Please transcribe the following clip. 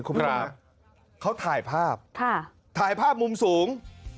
เขาถ่ายภาพถ่ายภาพมุมสูง